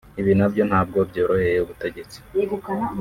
Ibi nabyo ntabwo byoroheye ubutegetsi